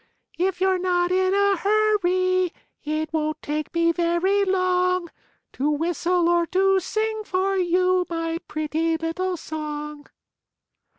If you're not in a hurry, It won't take me very long, To whistle or to sing for you My pretty little song."